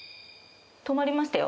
止まりましたよ。